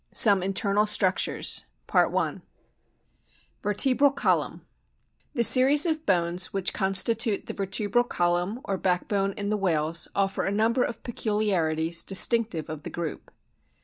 SOME INTERNAL STRUCTURES VERTEBRAL COLUMN THE series of bones which constitute the vertebral column or backbone in the whales offer a number of peculiarities distinctive of the group.